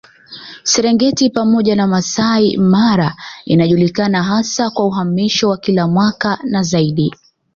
Serengeti pamoja na Masai Mara inajulikana hasa kwa uhamisho wa kila mwaka na zaidi